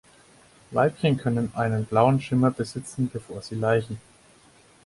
Weibchen können einen blauen Schimmer besitzen, bevor sie laichen.